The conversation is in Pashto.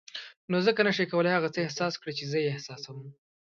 نو ځکه نه شې کولای هغه څه احساس کړې چې زه یې احساسوم.